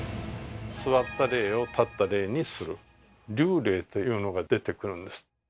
座った礼を立った礼にする「立礼」というのが出てくるんです。